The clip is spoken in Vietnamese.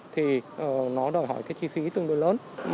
thì nó đòi hỏi chi phí tương đối lớn